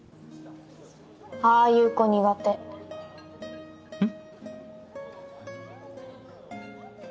ああいう子苦手ん？